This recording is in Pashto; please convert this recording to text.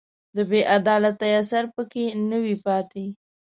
د بې عدالتۍ اثر په کې نه وي پاتې